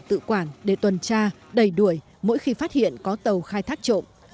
tự quản để tuần tra đẩy đuổi mỗi khi phát hiện có tàu khai thác trộm